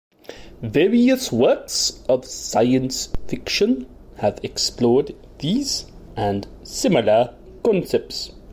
Various works of science fiction have explored these and similar concepts.